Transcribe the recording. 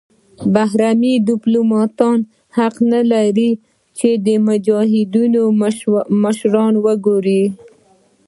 بهرني دیپلوماتان حق نلري چې د مجاهدینو مشران وګوري.